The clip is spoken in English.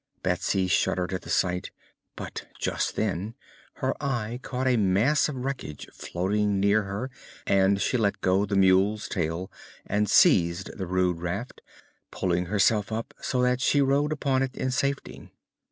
Betsy shuddered at the sight, but just then her eye caught a mass of wreckage floating near her and she let go the mule's tail and seized the rude raft, pulling herself up so that she rode upon it in safety.